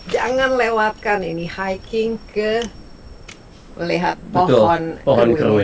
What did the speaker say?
jangan lewatkan ini hiking ke pulau bawah reserve ini